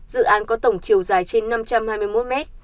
dự án có tổng chiều dài trên năm trăm hai mươi một m